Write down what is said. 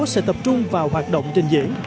sẽ tập trung vào hoạt động trình diễn